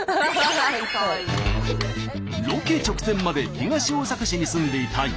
ロケ直前まで東大阪市に住んでいたゆうちゃみ社員。